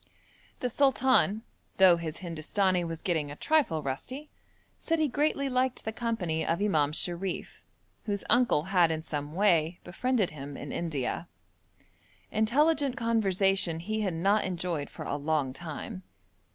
The sultan, though his Hindustani was getting a trifle rusty, said he greatly liked the company of Imam Sharif, whose uncle had in some way befriended him in India. Intelligent conversation he had not enjoyed for a long time.